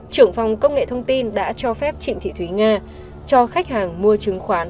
trưởng phòng công nghệ thông tin đã cho phép trịnh thị thúy nga cho khách hàng mua chứng khoán